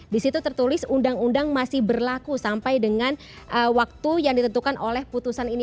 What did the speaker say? di situ tertulis undang undang masih berlaku sampai dengan waktu yang ditentukan oleh putusan ini